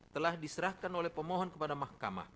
telah diserahkan oleh pemohon kepada mahkamah